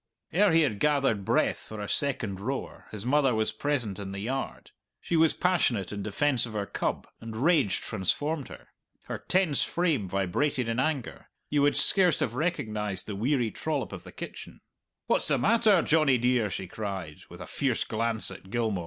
Ere he had gathered breath for a second roar his mother was present in the yard. She was passionate in defence of her cub, and rage transformed her. Her tense frame vibrated in anger; you would scarce have recognized the weary trollop of the kitchen. "What's the matter, Johnny dear?" she cried, with a fierce glance at Gilmour.